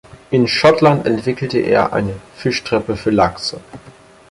In Schottland entwickelte er eine Fischtreppe für Lachse.